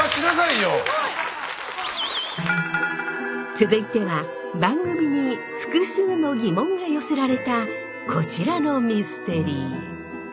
続いては番組に複数の疑問が寄せられたこちらのミステリー。